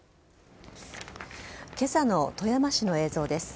今朝の富山市の映像です。